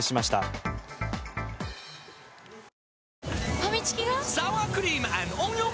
ファミチキが！？